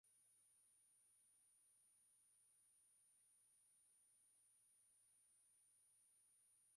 Alikwenda nchi nyingi za kigeni kwa ajili ya kuimba muziki wa taarabu